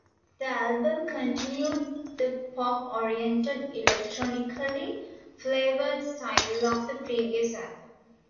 The album continued the pop-oriented, electronically flavored style of the previous album.